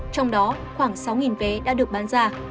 trong đó khoảng sáu vé đã được bán ra